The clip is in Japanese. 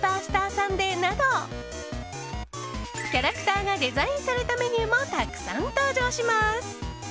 サンデーなどキャラクターがデザインされたメニューもたくさん登場します。